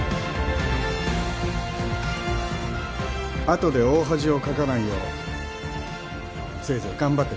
後で大恥をかかないようせいぜい頑張ってください